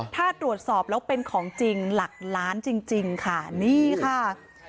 ถ้าตรวจสอบแล้วเป็นของจริงหลักล้านจริงค่ะนี่ค่ะ